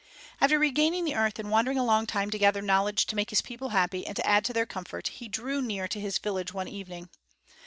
After regaining the earth and wandering a long time to gather knowledge to make his people happy and to add to their comfort, he drew near to his village one evening.